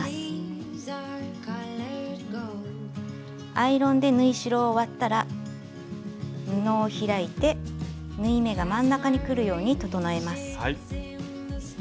アイロンで縫い代を割ったら布を開いて縫い目が真ん中にくるように整えます。